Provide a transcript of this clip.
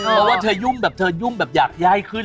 เพราะว่าเธอยุ่งแบบอยากย่ายขึ้น